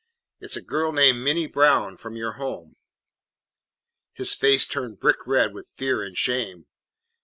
"It 's a girl named Minty Brown from your home." His face turned brick red with fear and shame.